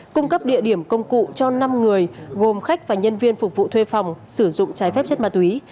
cung cấp địa điểm công cụ cho năm người gồm khách và nhân viên phục vụ thuê phòng sử dụng trái phép chất ma túy